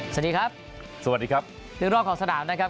สวัสดีครับสวัสดีครับเรื่องรอบของสนามนะครับ